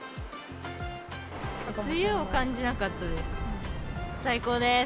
梅雨を感じなかったです。